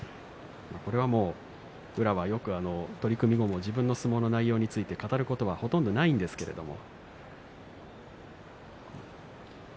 これは宇良はよく取組後も自分の相撲の内容について語ることはほとんどないんですけれども。